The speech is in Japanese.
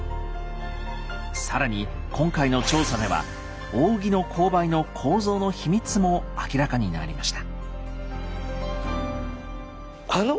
更に今回の調査では扇の勾配の構造の秘密も明らかになりました。